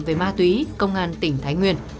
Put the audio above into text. về ma túy công an tỉnh thái nguyên